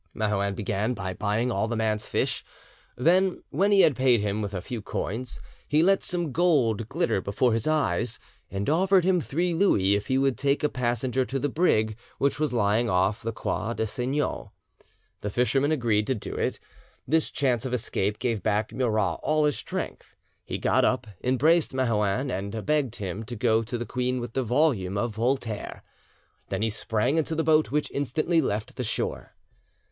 Marouin began by buying all the man's fish; then, when he had paid him with a few coins, he let some gold glitter before his eyes, and offered him three louis if he would take a passenger to the brig which was lying off the Croix des Signaux. The fisherman agreed to do it. This chance of escape gave back Murat all his strength; he got up, embraced Marouin, and begged him to go to the queen with the volume of Voltaire. Then he sprang into the boat, which instantly left the shore.